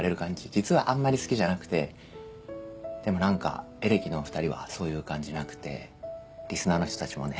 実はあんまり好きじゃなくてでもなんかエレキのお二人はそういう感じなくてリスナーの人たちもね